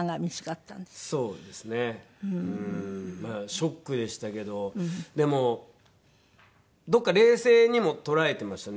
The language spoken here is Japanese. ショックでしたけどでもどこか冷静にも捉えてましたね。